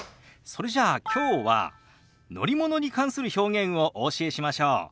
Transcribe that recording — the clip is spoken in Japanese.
それじゃあきょうは乗り物に関する表現をお教えしましょう。